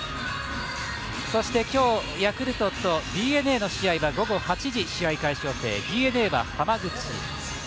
そして、今日、ヤクルトとＤｅＮＡの試合は午後６時試合開始予定。